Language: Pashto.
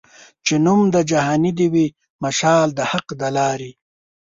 چي نوم د جهاني دي وي مشال د حق د لاري